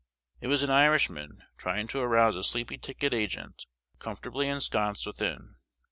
It was an Irishman, trying to arouse a sleepy ticket agent, comfortably ensconced within.